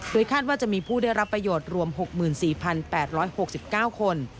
คาดว่าจะมีผู้ได้รับประโยชน์รวม๖๔๘๖๙คน